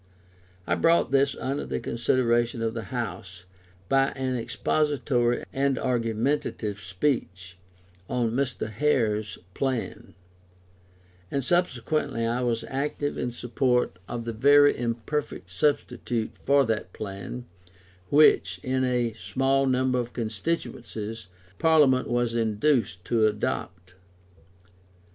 I brought this under the consideration of the House, by an expository and argumentative speech on Mr. Hare's plan; and subsequently I was active in support of the very imperfect substitute for that plan, which, in a small number of constituencies, Parliament was induced to adopt.